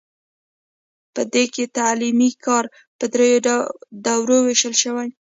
په دې کې تعلیمي کار په دریو دورو ویشل شوی.